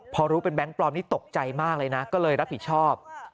พอรู้เป็นแก๊งปลอมนี่ตกใจมากเลยนะก็เลยรับผิดชอบ